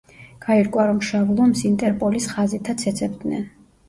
გაირკვა, რომ „შავ ლომს“ ინტერპოლის ხაზითაც ეძებდნენ.